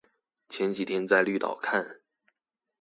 前幾天在綠島看